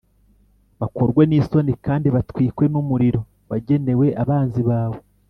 bakorwe n’isoni, kandi batwikwe n’umuriro wagenewe abanzi bawe.